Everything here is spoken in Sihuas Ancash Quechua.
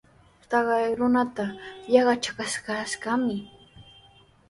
Taqay runata yaqachiyashqami.